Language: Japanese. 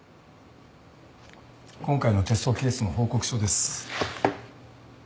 今回のテストケースの報告書です。